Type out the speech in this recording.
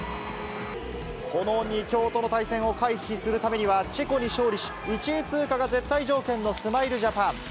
この２強との対戦を回避するためには、チェコに勝利し、１位通過が絶対条件のスマイルジャパン。